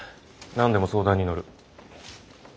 何でも相談に乗る。